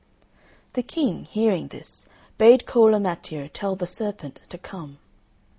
The King, hearing this, bade Cola Matteo tell the serpent to come.